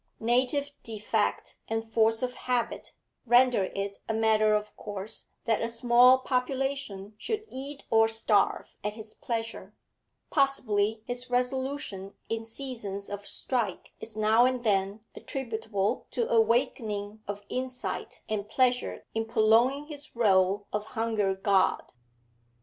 Native defect and force of habit render it a matter of course that a small population should eat or starve at his pleasure; possibly his resolution in seasons of strike is now and then attributable to awakening of insight and pleasure in prolonging his role of hunger god.